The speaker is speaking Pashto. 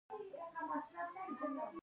اوس همدا تفرقه د یووالي سبب ښودل کېږي.